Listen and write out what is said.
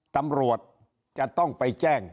ตำรวจจะต้องไปแจ้ง